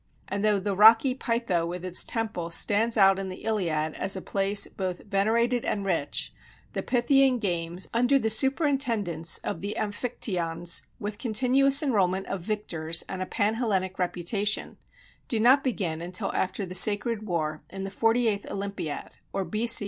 And though the rocky Pytho with its temple stands out in the Iliad as a place both venerated and rich the Pythian games, under the superintendence of the Amphictyons, with continuous enrollment of victors and a pan Hellenic reputation, do not begin until after the Sacred War, in the 48th Olympiad, or B.C.